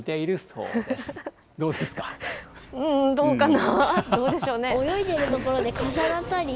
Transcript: うーん、どうかな？